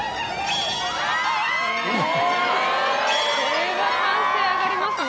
これは歓声上がりますね。